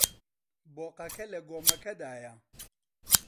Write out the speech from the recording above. بۆقەکە لە گۆمەکەدایە.